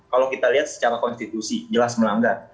kalau kita lihat secara konstitusi jelas melanggar